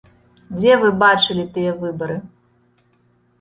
Дзе вы бачылі тыя выбары?